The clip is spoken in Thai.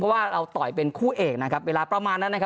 เพราะว่าเราต่อยเป็นคู่เอกนะครับเวลาประมาณนั้นนะครับ